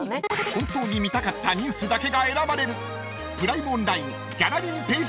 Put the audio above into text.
［本当に見たかったニュースだけが選ばれる］